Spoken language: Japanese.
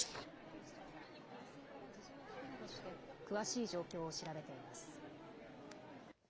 警視庁は男性から事情を聞くなどして詳しい状況を調べています。